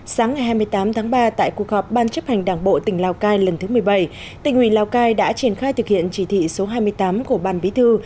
sáng ngày hai mươi tám tháng ba tại cuộc họp ban chấp hành đảng bộ tỉnh lào cai lần thứ một mươi bảy tỉnh ủy lào cai đã triển khai thực hiện chỉ thị số hai mươi tám của ban bí thư